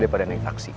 daripada naik taksi